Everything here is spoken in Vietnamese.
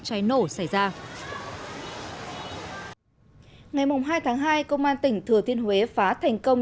công an tỉnh thừa thiên huế phá thành công